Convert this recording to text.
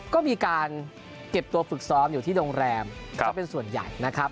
ก็มีการเก็บตัวฝึกซ้อมอยู่ที่โรงแรมก็เป็นส่วนใหญ่นะครับ